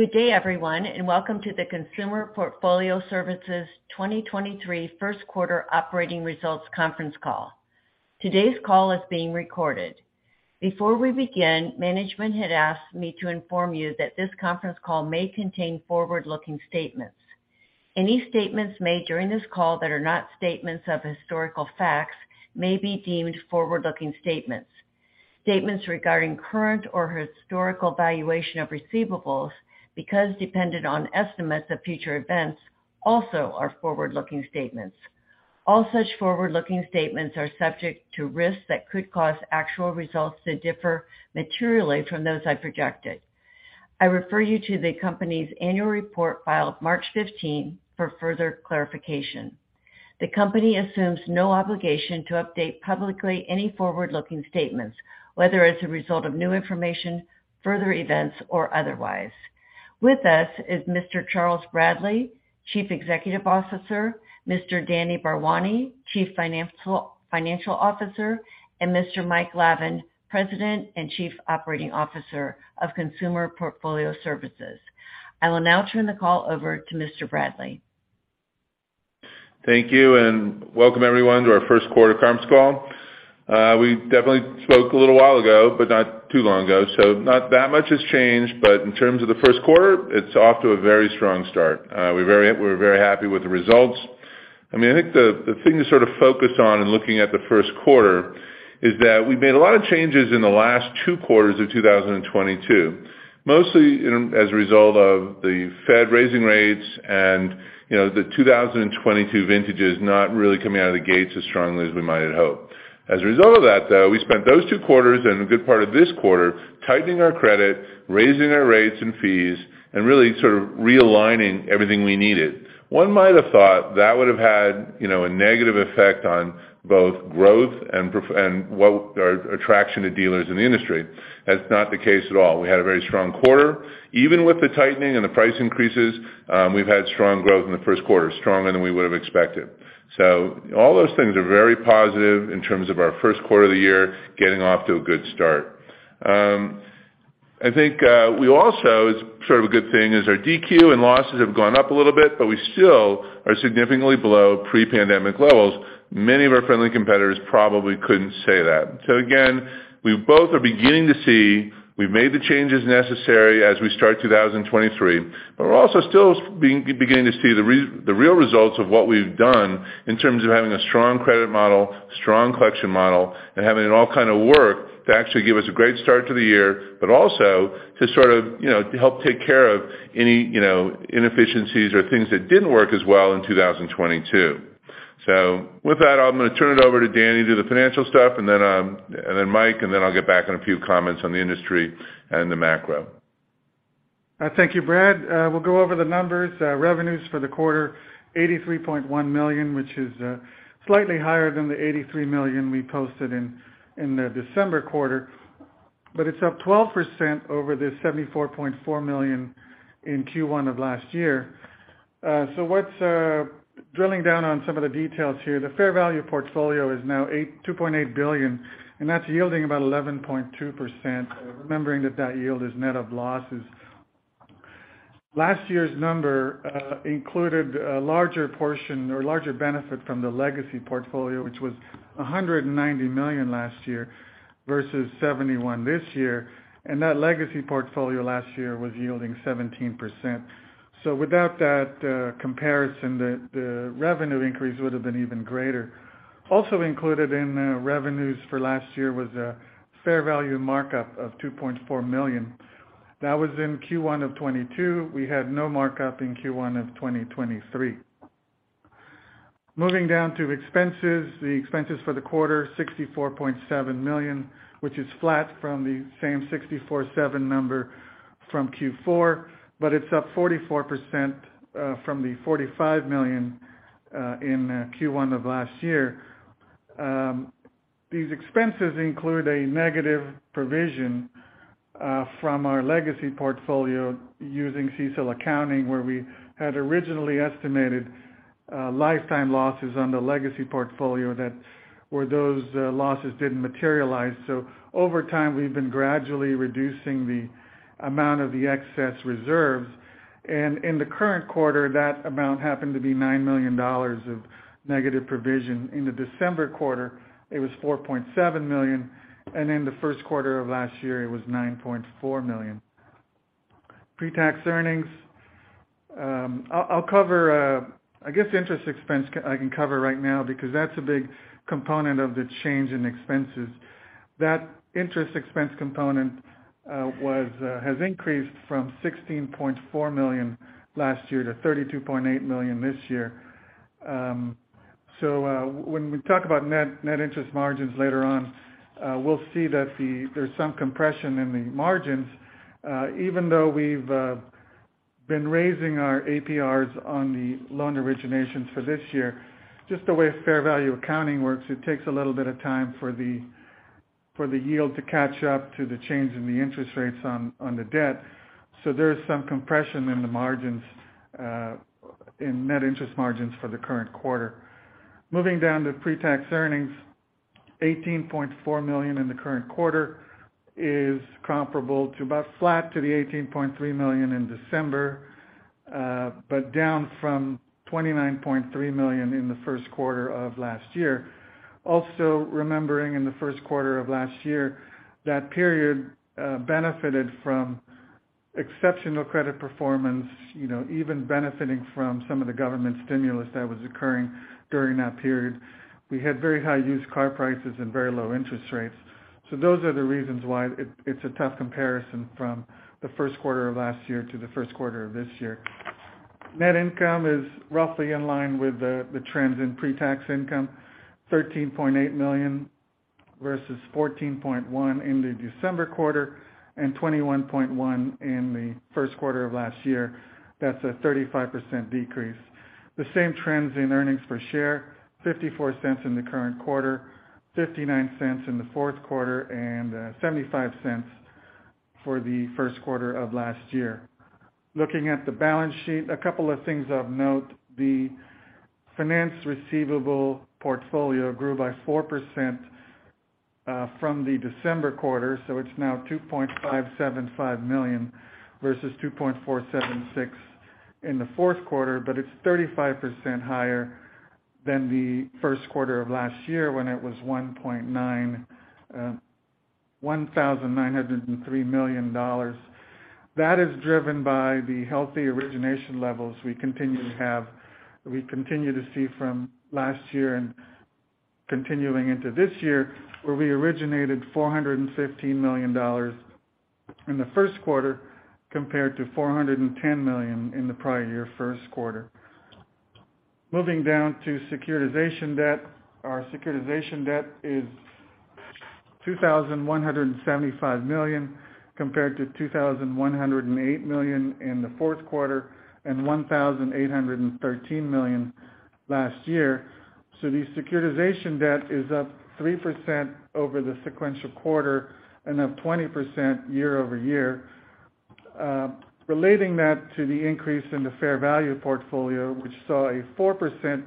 Good day everyone, welcome to the Consumer Portfolio Services 2023 first quarter operating results conference call. Today's call is being recorded. Before we begin, management had asked me to inform you that this conference call may contain forward-looking statements. Any statements made during this call that are not statements of historical facts may be deemed forward-looking statements. Statements regarding current or historical valuation of receivables because dependent on estimates of future events also are forward-looking statements. All such forward-looking statements are subject to risks that could cause actual results to differ materially from those I projected. I refer you to the company's annual report filed March 15 for further clarification. The company assumes no obligation to update publicly any forward-looking statements, whether as a result of new information, further events, or otherwise. With us is Mr. Charles Bradley, Chief Executive Officer. Danny Bharwani, Chief Financial Officer, and Mr. Mike Lavin, President and Chief Operating Officer of Consumer Portfolio Services. I will now turn the call over to Mr. Bradley. Thank you, and welcome everyone to our first quarter conference call. We definitely spoke a little while ago, but not too long ago, so not that much has changed. In terms of the first quarter, it's off to a very strong start. We're very happy with the results. I mean, I think the thing to sort of focus on in looking at the first quarter is that we made a lot of changes in the last two quarters of 2022. Mostly in, as a result of the Fed raising rates and, you know, the 2022 vintages not really coming out of the gates as strongly as we might have hoped. As a result of that, though, we spent those two quarters and a good part of this quarter tightening our credit, raising our rates and fees, and really sort of realigning everything we needed. One might have thought that would have had, you know, a negative effect on both growth and what our attraction to dealers in the industry. That's not the case at all. We had a very strong quarter. Even with the tightening and the price increases, we've had strong growth in the 1st quarter, stronger than we would have expected. All those things are very positive in terms of our 1st quarter of the year, getting off to a good start. I think we also, as sort of a good thing, is our DQ and losses have gone up a little bit, but we still are significantly below pre-pandemic levels. Many of our friendly competitors probably couldn't say that. Again, we both are beginning to see we've made the changes necessary as we start 2023, but we're also still beginning to see the real results of what we've done in terms of having a strong credit model, strong collection model, and having it all kind of work to actually give us a great start to the year. Also to sort of, you know, help take care of any, you know, inefficiencies or things that didn't work as well in 2022. With that, I'm gonna turn it over to Danny, do the financial stuff, and then Mike, and then I'll get back on a few comments on the industry and the macro. Thank you, Brad. We'll go over the numbers. Revenues for the quarter, $83.1 million, which is slightly higher than the $83 million we posted in the December quarter. It's up 12% over the $74.4 million in Q1 of last year. Drilling down on some of the details here, the fair value portfolio is now $2.8 billion, and that's yielding about 11.2%, remembering that that yield is net of losses. Last year's number included a larger portion or larger benefit from the legacy portfolio, which was $190 million last year versus $71 million this year. Without that, comparison, the revenue increase would have been even greater. Also included in the revenues for last year was a fair value markup of $2.4 million. That was in Q1 of 2022. We had no markup in Q1 of 2023. Moving down to expenses, the expenses for the quarter, $64.7 million, which is flat from the same $64.7 number from Q4, but it's up 44% from the $45 million in Q1 of last year. These expenses include a negative provision from our legacy portfolio using CECL accounting, where we had originally estimated lifetime losses on the legacy portfolio where those losses didn't materialize. Over time, we've been gradually reducing the amount of the excess reserves. In the current quarter, that amount happened to be $9 million of negative provision. In the December quarter, it was $4.7 million. In the first quarter of last year, it was $9.4 million. Pre-tax earnings. I'll cover I guess interest expense I can cover right now because that's a big component of the change in expenses. That interest expense component was has increased from $16.4 million last year to $32.8 million this year. When we talk about net interest margins later on, we'll see that there's some compression in the margins even though we've been raising our APRs on the loan originations for this year. Just the way fair value accounting works, it takes a little bit of time for the yield to catch up to the change in the interest rates on the debt. There is some compression in the margins, in net interest margins for the current quarter. Moving down to pre-tax earnings. $18.4 million in the current quarter is comparable to about flat to the $18.3 million in December, but down from $29.3 million in the first quarter of last year. Also remembering in the first quarter of last year, that period, benefited from exceptional credit performance, you know, even benefiting from some of the government stimulus that was occurring during that period. We had very high used car prices and very low interest rates. Those are the reasons why it's a tough comparison from the first quarter of last year to the first quarter of this year. Net income is roughly in line with the trends in pre-tax income, $13.8 million versus $14.1 million in the December quarter and $21.1 million in the first quarter of last year. That's a 35% decrease. The same trends in earnings per share, $0.54 in the current quarter, $0.59 in the fourth quarter, and $0.75 for the first quarter of last year. Looking at the balance sheet, a couple of things of note. The finance receivable portfolio grew by 4% from the December quarter, so it's now $2.575 million versus $2.476 million in the fourth quarter, but it's 35% higher than the first quarter of last year when it was $1,903 million. That is driven by the healthy origination levels we continue to have, we continue to see from last year and continuing into this year, where we originated $415 million in the first quarter compared to $410 million in the prior year first quarter. Moving down to securitization debt. Our securitization debt is $2,175 million compared to $2,108 million in the fourth quarter and $1,813 million last year. The securitization debt is up 3% over the sequential quarter and up 20% year-over-year. Relating that to the increase in the fair value portfolio, which saw a 4%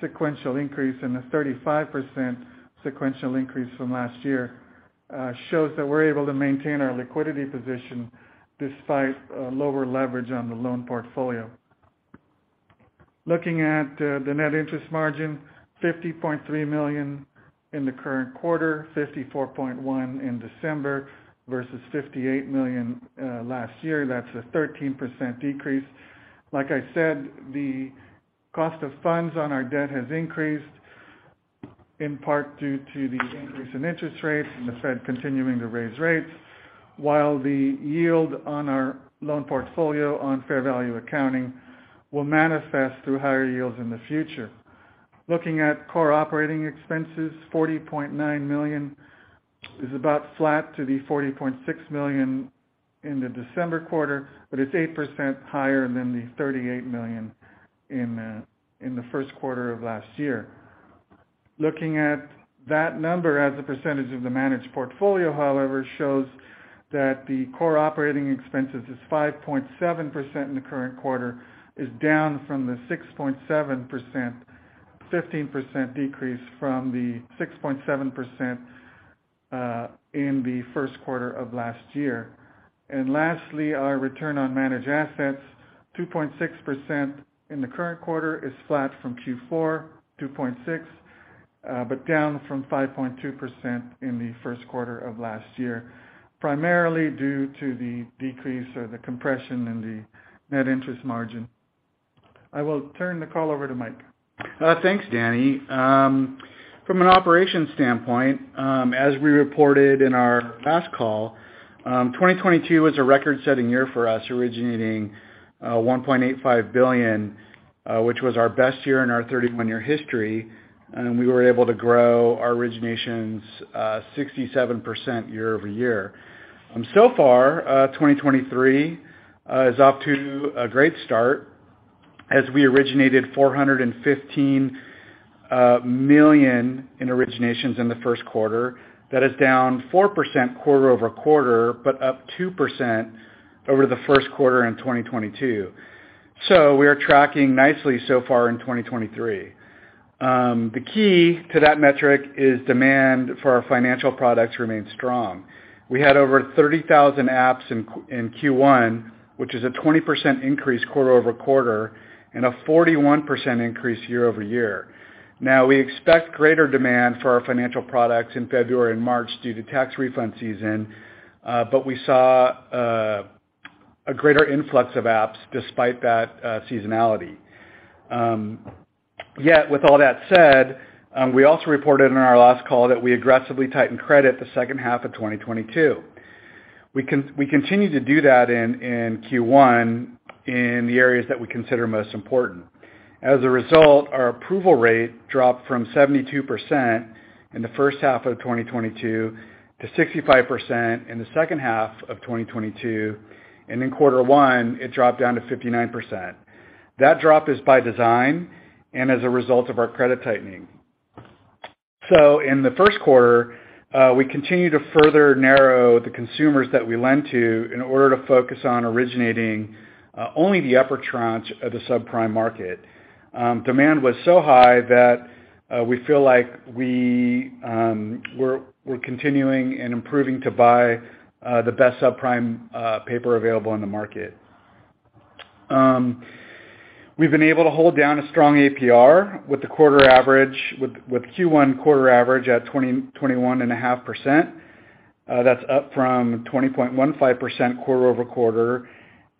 sequential increase and a 35% sequential increase from last year, shows that we're able to maintain our liquidity position despite lower leverage on the loan portfolio. Looking at the net interest margin, $50.3 million in the current quarter, $54.1 million in December versus $58 million last year. That's a 13% decrease. Like I said, the cost of funds on our debt has increased in part due to the increase in interest rates and the Fed continuing to raise rates while the yield on our loan portfolio on fair value accounting will manifest through higher yields in the future. Looking at core operating expenses, $40.9 million is about flat to the $40.6 million in the December quarter, but it's 8% higher than the $38 million in the first quarter of last year. Looking at that number as a percentage of the managed portfolio, however, shows that the core operating expenses is 5.7% in the current quarter, is down from the 6.7%. 15% decrease from the 6.7% in the first quarter of last year. Lastly, our return on managed assets, 2.6% in the current quarter is flat from Q4, 2.6%, but down from 5.2% in the first quarter of last year. Primarily due to the decrease or the compression in the net interest margin. I will turn the call over to Mike. Thanks, Danny. From an operations standpoint, as we reported in our last call, 2022 was a record-setting year for us, originating $1.85 billion, which was our best year in our 31-year history, and we were able to grow our originations 67% year-over-year. So far, 2023 is off to a great start as we originated $415 million in originations in the first quarter. That is down 4% quarter-over-quarter, but up 2% over the first quarter in 2022. We are tracking nicely so far in 2023. The key to that metric is demand for our financial products remained strong. We had over 30,000 apps in Q1, which is a 20% increase quarter-over-quarter and a 41% increase year-over-year. We expect greater demand for our financial products in February and March due to tax refund season, but we saw a greater influx of apps despite that seasonality. Yet with all that said, we also reported in our last call that we aggressively tightened credit the second half of 2022. We continued to do that in Q1 in the areas that we consider most important. As a result, our approval rate dropped from 72% in the first half of 2022 to 65% in the second half of 2022, and in Q1 it dropped down to 59%. That drop is by design and as a result of our credit tightening. In the first quarter, we continued to further narrow the consumers that we lend to in order to focus on originating only the upper tranche of the subprime market. Demand was so high that we feel like we're continuing and improving to buy the best subprime paper available in the market. We've been able to hold down a strong APR with Q1 quarter average at 21.5%. That's up from 20.15% quarter-over-quarter,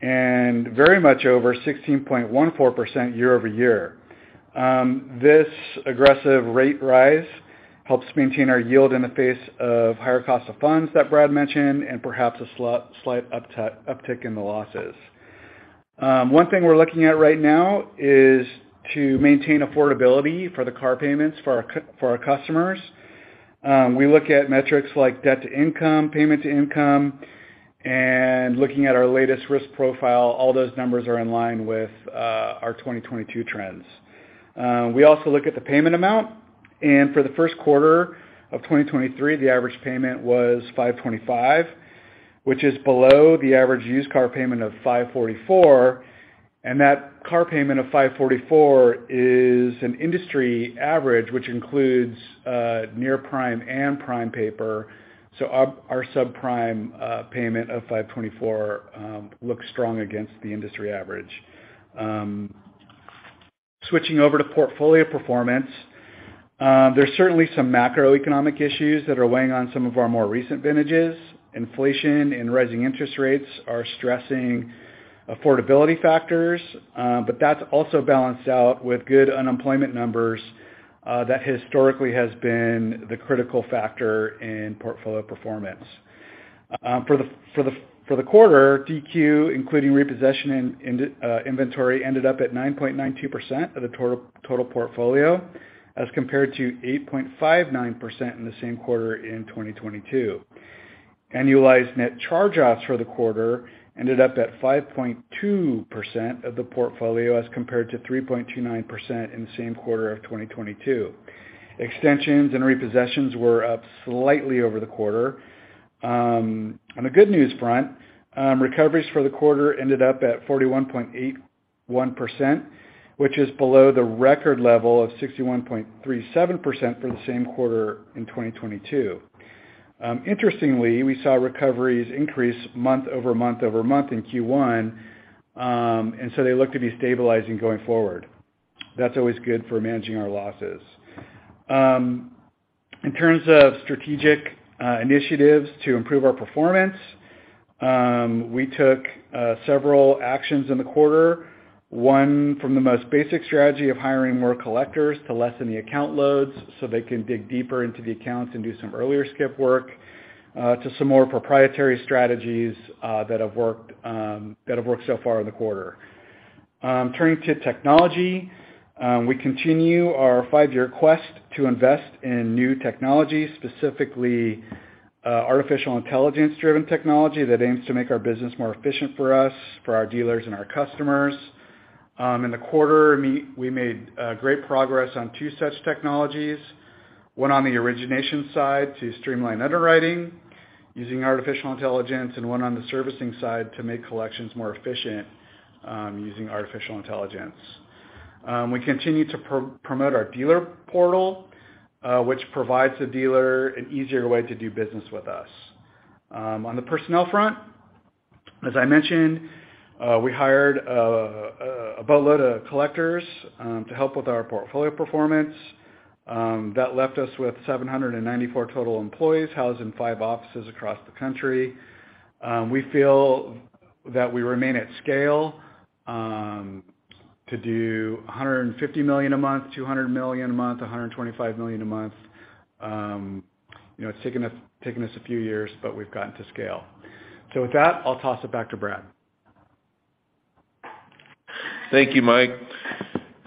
and very much over 16.14% year-over-year. This aggressive rate rise helps maintain our yield in the face of higher cost of funds that Brad mentioned and perhaps a slight uptick in the losses. One thing we're looking at right now is to maintain affordability for the car payments for our customers. We look at metrics like debt-to-income, payment-to-income, and looking at our latest risk profile, all those numbers are in line with our 2022 trends. We also look at the payment amount, and for the first quarter of 2023, the average payment was $525, which is below the average used car payment of $544. That car payment of $544 is an industry average, which includes near prime and prime paper. Our subprime payment of $524 looks strong against the industry average. Switching over to portfolio performance, there's certainly some macroeconomic issues that are weighing on some of our more recent vintages. Inflation and rising interest rates are stressing affordability factors, but that's also balanced out with good unemployment numbers that historically has been the critical factor in portfolio performance. For the quarter, DQ, including repossession and inventory, ended up at 9.92% of the total portfolio as compared to 8.59% in the same quarter in 2022. Annualized net charge-offs for the quarter ended up at 5.2% of the portfolio as compared to 3.29% in the same quarter of 2022. Extensions and repossessions were up slightly over the quarter. On the good news front, recoveries for the quarter ended up at 41.81%, which is below the record level of 61.37% for the same quarter in 2022. Interestingly, we saw recoveries increase month over month over month in Q1, and so they look to be stabilizing going forward. That's always good for managing our losses. In terms of strategic initiatives to improve our performance, we took several actions in the quarter. One from the most basic strategy of hiring more collectors to lessen the account loads so they can dig deeper into the accounts and do some earlier skip work, to some more proprietary strategies that have worked so far in the quarter. Turning to technology, we continue our five year quest to invest in new technology, specifically, artificial intelligence-driven technology that aims to make our business more efficient for us, for our dealer portal and our customers. In the quarter we made great progress on two such technologies. One on the origination side to streamline underwriting using artificial intelligence, and one on the servicing side to make collections more efficient, using artificial intelligence. We continue to promote our dealer portal, which provides the dealer an easier way to do business with us. On the personnel front, as I mentioned, we hired a boatload of collectors to help with our portfolio performance, that left us with 794 total employees housed in five offices across the country. We feel that we remain at scale, to do $150 million a month, $200 million a month, $125 million a month. You know, it's taken us a few years, but we've gotten to scale. With that, I'll toss it back to Brad. Thank you, Mike.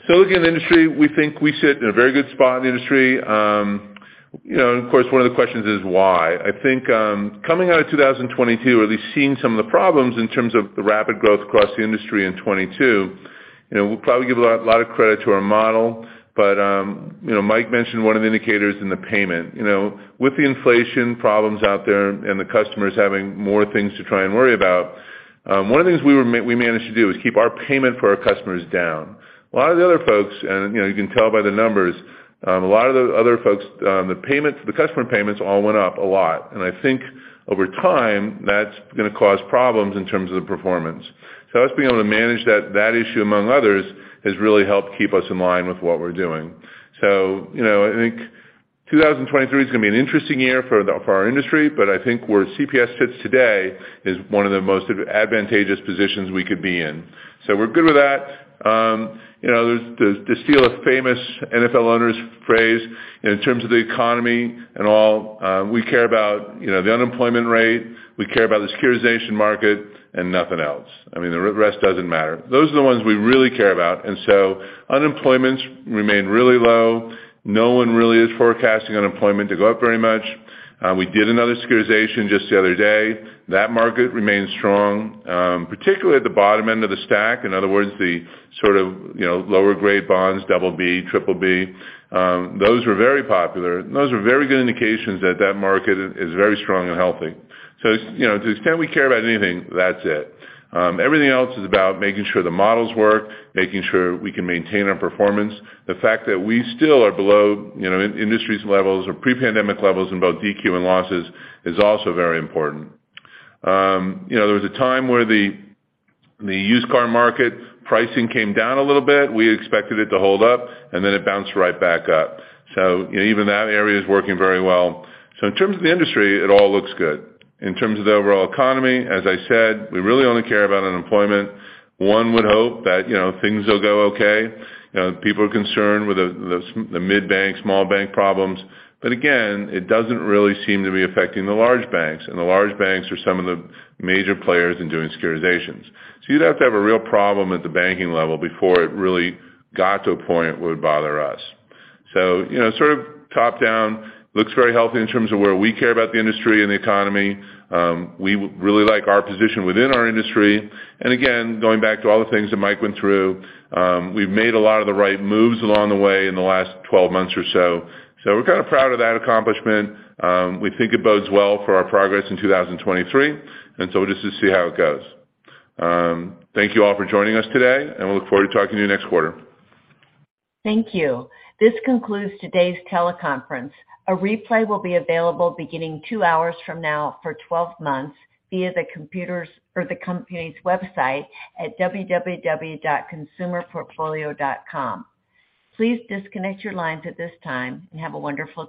Looking at industry, we think we sit in a very good spot in the industry. You know, and of course, one of the questions is why. I think, coming out of 2022, or at least seeing some of the problems in terms of the rapid growth across the industry in 2022, you know, we'll probably give a lot of credit to our model. You know, Mike mentioned one of the indicators in the payment. You know, with the inflation problems out there and the customers having more things to try and worry about, one of the things we managed to do was keep our payment for our customers down. A lot of the other folks and, you know, you can tell by the numbers, a lot of the other folks, the payments, the customer payments all went up a lot. I think over time that's gonna cause problems in terms of the performance. Us being able to manage that issue among others, has really helped keep us in line with what we're doing. You know, I think 2023 is gonna be an interesting year for the, for our industry, but I think where CPS sits today is one of the most advantageous positions we could be in. We're good with that. You know, there's the, to steal a famous NFL owner's phrase, in terms of the economy and all, we care about, you know, the unemployment rate, we care about the securitization market and nothing else. I mean, the rest doesn't matter. Those are the ones we really care about. Unemployment's remained really low. No one really is forecasting unemployment to go up very much. We did another securitization just the other day. That market remains strong, particularly at the bottom end of the stack. In other words, the sort of, you know, lower grade bonds, BB, BBB, those were very popular. Those are very good indications that that market is very strong and healthy. To the extent we care about anything, that's it. Everything else is about making sure the models work, making sure we can maintain our performance. The fact that we still are below, you know, industry's levels or pre-pandemic levels in both DQ and losses is also very important. You know, there was a time where the used car market pricing came down a little bit. We expected it to hold up, and then it bounced right back up. You know, even that area is working very well. In terms of the industry, it all looks good. In terms of the overall economy, as I said, we really only care about unemployment. One would hope that, you know, things will go okay. You know, people are concerned with the mid-bank, small bank problems, but again, it doesn't really seem to be affecting the large banks, and the large banks are some of the major players in doing securitizations. You'd have to have a real problem at the banking level before it really got to a point where it would bother us. You know, sort of top-down looks very healthy in terms of where we care about the industry and the economy. We would really like our position within our industry. Again, going back to all the things that Mike went through, we've made a lot of the right moves along the way in the last 12 months or so. We're kind of proud of that accomplishment. We think it bodes well for our progress in 2023, we'll just see how it goes. Thank you all for joining us today, we look forward to talking to you next quarter. Thank you. This concludes today's teleconference. A replay will be available beginning two hours from now for 12 months via the computers or the company's website at www.consumerportfolio.com. Please disconnect your lines at this time and have a wonderful day.